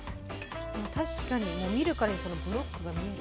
確かにもう見るからにそのブロックが見える。